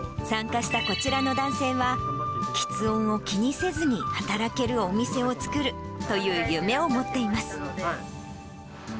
参加したこちらの男性は、きつ音を気にせずに働けるお店を作るという夢を持っています。